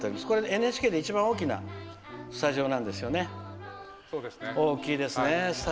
これ、ＮＨＫで一番大きなスタジオなんですよね。